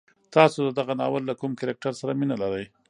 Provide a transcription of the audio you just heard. تاسو د دغه ناول له کوم کرکټر سره مینه لرئ؟